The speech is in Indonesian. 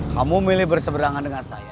kamu milih berseberangan dengan saya